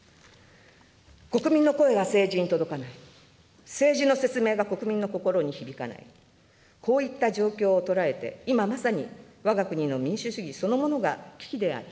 国民の声が政治に届かない、政治の説明が国民の心に響かない、こういった状況を捉えて、今まさに、わが国の民主主義そのものが危機である。